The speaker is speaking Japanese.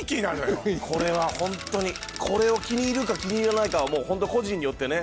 これはホントにこれを気に入るか気に入らないかはホント個人によってね。